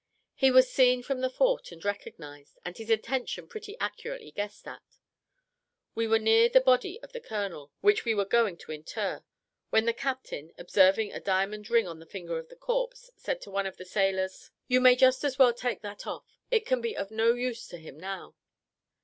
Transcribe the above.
He was seen from the fort, and recognized; and his intention pretty accurately guessed at. We were near the body of the colonel, which we were going to inter; when the captain, observing a diamond ring on the finger of the corpse, said to one of the sailors, "You may just as well take that off: it can be of no use to him now."